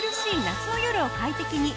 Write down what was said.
夏の夜を快適に！